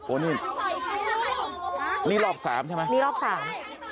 นี่นี่รอบสามใช่ไหมนี่รอบสาม